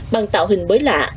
bằng tạo hình mới lạ